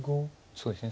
そうですね